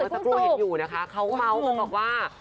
เมื่อสกรูเห็นอยู่นะคะเขาเม้าท์ก็บอกว่า